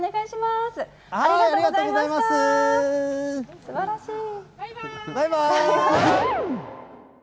すばらしい。